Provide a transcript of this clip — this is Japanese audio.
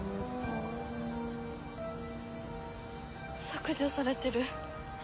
削除されてる。